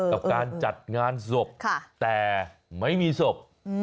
กับการจัดงานศพแต่ไม่มีศพ